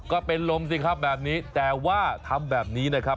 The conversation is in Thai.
ก็เป็นลมสิครับแบบนี้แต่ว่าทำแบบนี้นะครับ